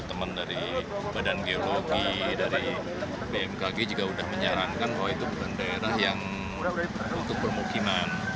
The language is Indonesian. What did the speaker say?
teman dari badan geologi dari bmkg juga sudah menyarankan bahwa itu bukan daerah yang untuk permukiman